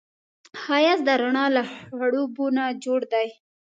ښایست د رڼا له خړوبو نه جوړ دی